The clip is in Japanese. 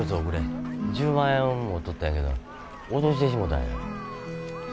１０万円持っとったんやけど落としてしもたんや。